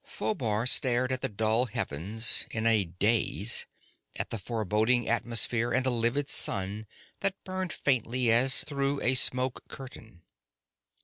Phobar stared at the dull heavens in a daze, at the foreboding atmosphere and the livid sun that burned faintly as through a smoke curtain.